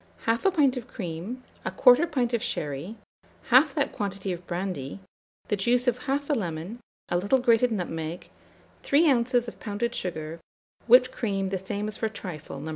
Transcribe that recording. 1/2 pint of cream, 1/4 pint of sherry, half that quantity of brandy, the juice of 1/2 lemon, a little grated nutmeg, 3 oz. of pounded sugar, whipped cream the same as for trifle No.